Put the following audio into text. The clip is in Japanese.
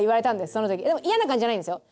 その時嫌な感じじゃないんですよ